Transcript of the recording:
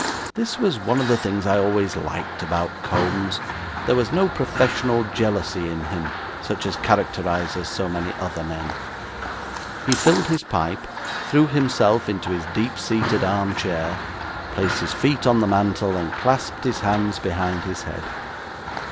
This was one of the things I always liked about Kombs. There was no professional jealousy in him, such as characterises so many other men. He filled his pipe, threw himself into his deep seated armchair, placed his feet on the mantel, and clasped his hands behind his head.